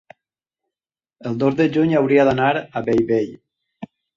el dos de juny hauria d'anar a Bellvei.